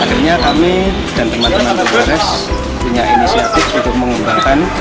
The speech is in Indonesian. akhirnya kami dan teman teman polres punya inisiatif untuk mengembangkan